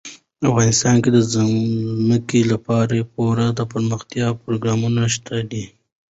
افغانستان کې د ځمکه لپاره پوره دپرمختیا پروګرامونه شته دي.